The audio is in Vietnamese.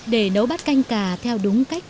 để nấu bát canh cà theo đúng cách